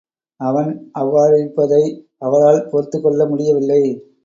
அவன் அவ்வாறிருப்பதை அவளால் பொறுத்துக்கொள்ள முடியவில்லை.